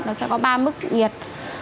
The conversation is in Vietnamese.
nó sẽ có ba mức nhiệt